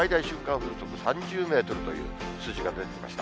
風速３０メートルという、数字が出てきました。